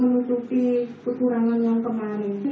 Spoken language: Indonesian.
menutupi kekurangan yang kemarin